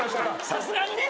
さすがにね。